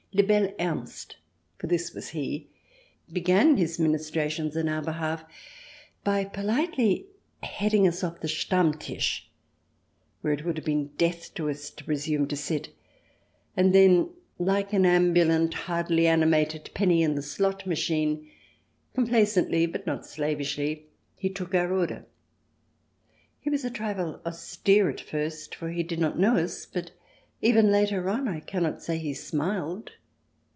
Le bel Ernst, for this was he, began his ministra tions on our behalf by politely heading us off the Stammtisch, where it would have been death to us to presume to sit, and then, like an ambulant, hardly animated, penny in the slot machine, complaisantly but not slavishly, he took our order. He was a trifle austere at first, for he did not know us, but even later on I cannot say he smiled.